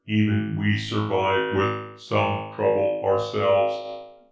Even we survive with some trouble, ourselves.